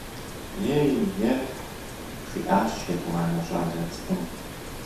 - Ей–ехь, - жиӏащ етӏуанэ щӏалэ цӏыкӏум.